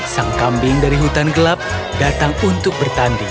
sang kambing dari hutan gelap datang untuk bertanding